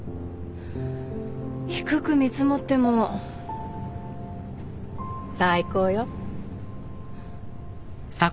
低く見積もっても最高よ。